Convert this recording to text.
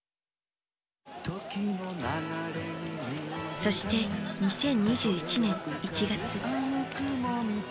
そして２０２１年１月。